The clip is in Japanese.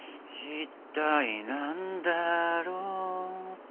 一体何だろうと。